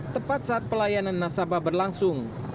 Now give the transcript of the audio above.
tepat saat pelayanan nasabah berlangsung